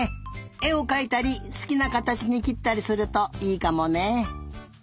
えをかいたりすきなかたちにきったりするといいかもね。